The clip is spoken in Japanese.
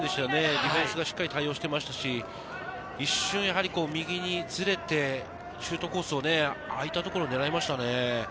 ディフェンスがしっかり対応していましたし、一瞬右にずれて、シュートコース、あいたところを狙いましたね。